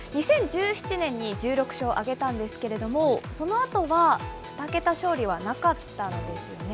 ２０１７年に１６勝を挙げたんですけれども、そのあとは２桁勝利はなかったんですよね。